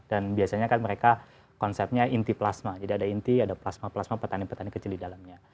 dan biasanya kan mereka konsepnya inti plasma jadi ada inti ada plasma plasma petani petani kecil di dalamnya